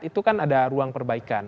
itu kan ada ruang perbaikan